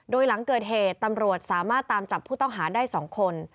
โดยหลังเกิดเหตุตำรวจสามารถตามจับผู้ต้องหาได้๒คน